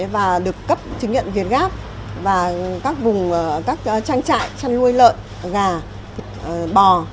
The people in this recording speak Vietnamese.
và được cấp chứng nhận việt gáp và các vùng các trang trại chăn nuôi lợn gà bò